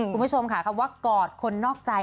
คุณผู้ชมค่ะคำว่ากอดคนนอกใจ